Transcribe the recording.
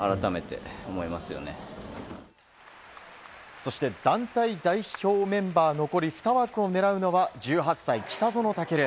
そして、団体代表メンバー残り２枠を狙うのは１８歳、北園丈流。